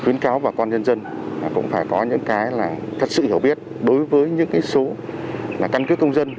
khuyến cáo bà con nhân dân cũng phải có những cái là thật sự hiểu biết đối với những cái số căn cứ công dân